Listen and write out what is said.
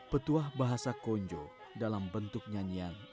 petuah bahasa konjo dalam bentuk nyanyian